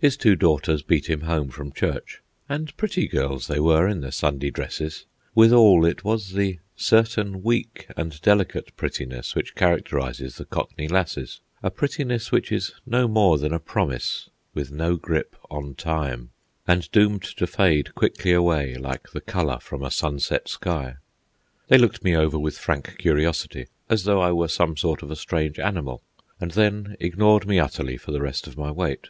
His two daughters beat him home from church—and pretty girls they were in their Sunday dresses; withal it was the certain weak and delicate prettiness which characterises the Cockney lasses, a prettiness which is no more than a promise with no grip on time, and doomed to fade quickly away like the colour from a sunset sky. They looked me over with frank curiosity, as though I were some sort of a strange animal, and then ignored me utterly for the rest of my wait.